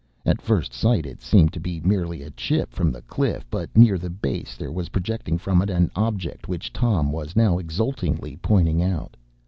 At first sight it seemed to be merely a chip from the cliff; but near the base there was projecting from it an object which Tom was now exultingly pointing out.